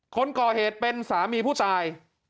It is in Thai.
คนก่อเหตุเป็นสามีผู้ตาย